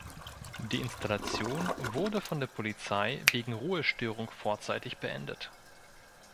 Die Installation wurde von der Polizei wegen Ruhestörung vorzeitig beendet.